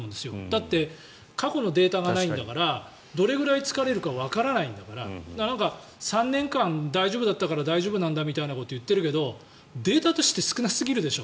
だって過去のデータがないんだからどれぐらい疲れるかわからないんだから３年間大丈夫だったから大丈夫なんだってことを言ってるけどデータとして少なすぎるでしょ。